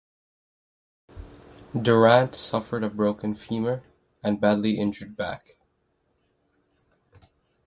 Durant suffered a broken femur and a badly injured back.